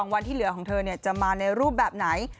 วันที่เหลือของเธอจะมาในรูปแบบไหน